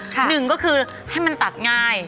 หนึ่งก็คือให้มันตัดง่าย